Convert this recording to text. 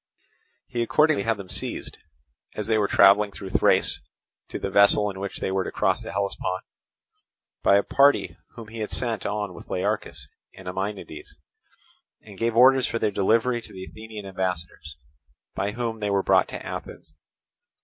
He accordingly had them seized, as they were travelling through Thrace to the vessel in which they were to cross the Hellespont, by a party whom he had sent on with Learchus and Ameiniades, and gave orders for their delivery to the Athenian ambassadors, by whom they were brought to Athens.